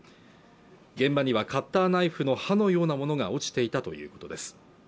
現場にはカッターナイフの刃のようなものが落ちていたということです